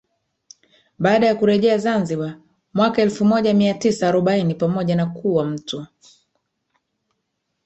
Baada ya kurejea Zanzibar mwaka elfu moja mia tisa arobaini pamoja na kuwa mtu